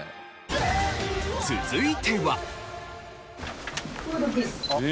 続いては。